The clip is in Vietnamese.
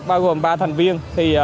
bao gồm ba thành viên